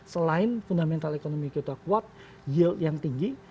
selain fundamental ekonomi kita kuat yield yang tinggi